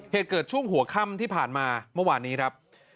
เหตุเกิดช่วงหัวค่ำที่ผ่านมาเมื่อวานนี้ครับ